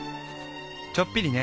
ちょっぴりね